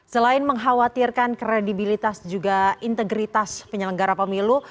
selain mengkhawatirkan kredibilitas juga integritas penyelenggara pemilu